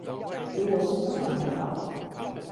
如果是蟑螂的話